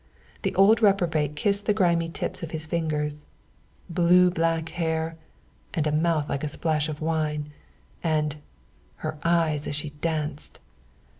the old reprobate kissed the grimy tips of his fingers, "blue black hair, and a mouth like a splash of wine and her eyes as she danced!"